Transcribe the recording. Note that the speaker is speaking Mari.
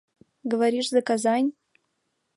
Говоришь, за Казань?